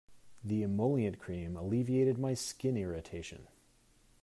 The emollient cream alleviated my skin irritation.